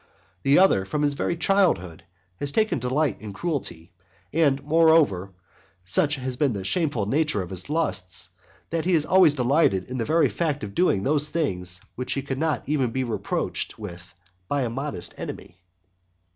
The other, from his very childhood, has taken delight in cruelty; and, moreover, such has been the shameful nature of his lusts, that he has always delighted in the very fact of doing those things which he could not even be reproached with by a modest enemy.